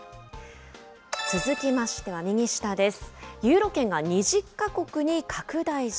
続きましては右下です。